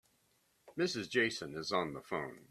Mrs. Jason is on the phone.